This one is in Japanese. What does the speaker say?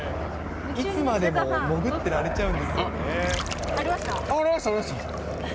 いつまでも潜ってられちゃうんですよ。